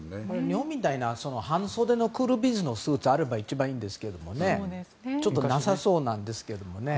日本みたいな半袖のクールビズのスーツがあれば一番いいんですけどちょっと、なさそうですけどね。